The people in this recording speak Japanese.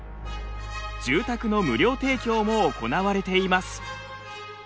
住宅の無料提供も行われています。